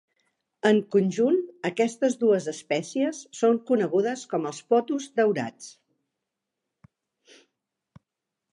En conjunt, aquestes dues espècies són conegudes com els potos daurats.